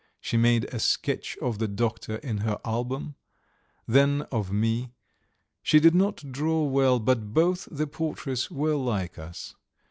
She made a sketch of the doctor in her album, then of me; she did not draw well, but both the portraits were like us.